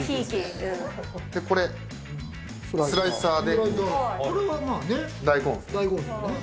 これ、スライサーで。